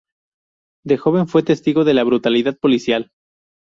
De joven fue testigo de la brutalidad policial.